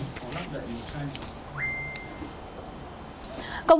công an đã bắt quả tang nguyễn văn công